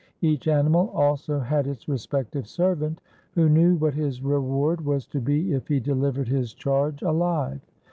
Each animal also had its respective servant, who knew what his reward was to be if he delivered his charge alive.